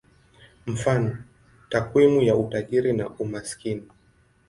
Mfano: takwimu ya utajiri na umaskini.